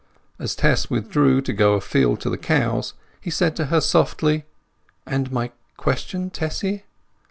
As Tess withdrew to go afield to the cows he said to her softly— "And my question, Tessy?"